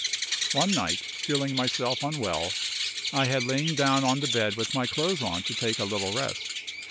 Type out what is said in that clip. One night, feeling myself unwell, I had lain down on the bed with my clothes on to take a little rest.